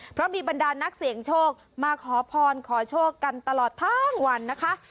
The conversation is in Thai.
เพราะมีบรรดานักเสี่ยงโชคมาขอพรขอโชคกันตลอดทั้งวันนะคะ